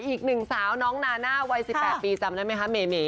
อีกหนึ่งสาวน้องนาน่าวัย๑๘ปีจำได้ไหมคะเม